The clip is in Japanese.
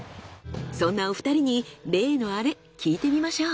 そんなお二人に例のアレ聞いてみましょう。